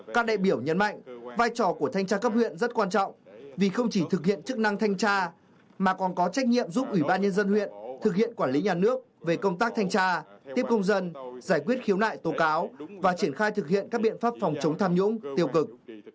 các đại biểu nhấn mạnh vai trò của thanh tra cấp huyện rất quan trọng vì không chỉ thực hiện chức năng thanh tra mà còn có trách nhiệm giúp ủy ban nhân dân huyện thực hiện quản lý nhà nước về công tác thanh tra tiếp công dân giải quyết khiếu nại tố cáo và triển khai thực hiện các biện pháp phòng chống tham nhũng tiêu cực